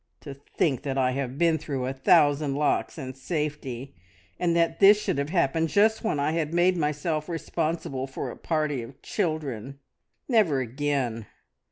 "To think that I have been through a thousand locks in safety, and that this should have happened just when I had made myself responsible for a party of children! Never again!